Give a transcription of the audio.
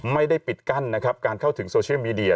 ไม่ได้ปิดกั้นนะครับการเข้าถึงโซเชียลมีเดีย